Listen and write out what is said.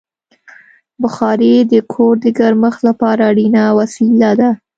بخاري د کور د ګرمښت لپاره اړینه وسیله ده.